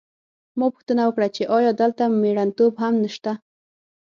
ما پوښتنه وکړه چې ایا دلته مېړنتوب هم نشته